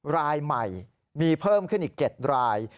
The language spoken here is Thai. รายใหม่มีเพิ่มขึ้นอีก๗ราย